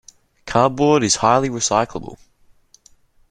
Cardboard is highly recyclable.